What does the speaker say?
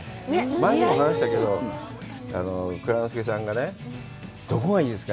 前にも話したけど、蔵之介さんが、どこがいいですか？